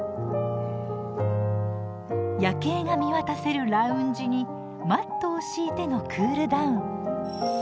夜景が見渡せるラウンジにマットを敷いてのクールダウン。